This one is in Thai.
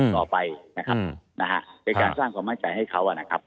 ต่อไปเป็นการสร้างความมั่นใจให้เขา